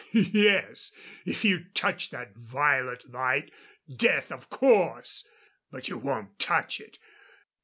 Yes! If you touch that violet light! Death, of course. But you won't touch it!